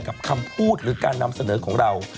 คำพูดหรือการนำเสนอของเรา